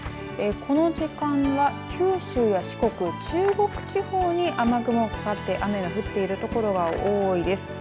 この時間は九州や四国中国地方に雨雲かかって雨が降っている所が多いです。